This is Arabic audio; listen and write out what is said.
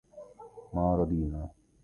ما رضينا